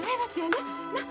なっ？